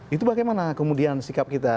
itu bagaimana kemudian sikap kita